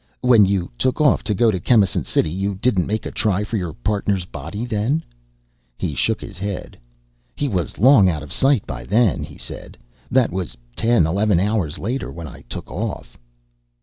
"When you took off to go to Chemisant City, didn't you make a try for your partner's body then?" He shook his head. "He was long out of sight by then," he said. "That was ten, eleven hours later, when I took off."